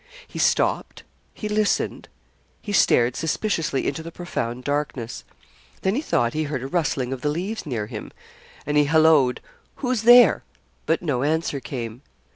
He stopped he listened he stared suspiciously into the profound darkness. Then he thought he heard a rustling of the leaves near him, and he hallooed, 'Who's there?' But no answer came.